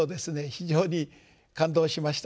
非常に感動しました。